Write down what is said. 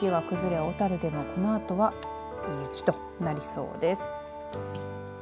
小樽でもこのあとは雪となりそうです。